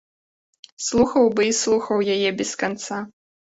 Слухаў бы і слухаў яе без канца.